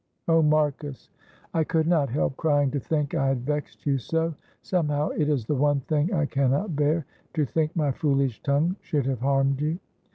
"Oh, Marcus, I could not help crying to think I had vexed you so. Somehow it is the one thing I cannot bear, to think my foolish tongue should have harmed you."